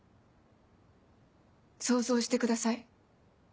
想像してください。